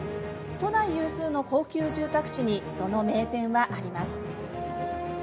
都内有数の高級住宅地にその名店はあります。